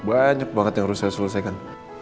banyak banget yang harus saya selesaikan